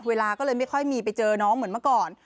เวลาก็เลยไม่ค่อยมีไปเจอน้องเหมือนเมื่อก่อน